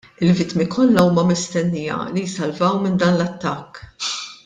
Il-vittmi kollha huma mistennija li jsalvaw minn dan l-attakk.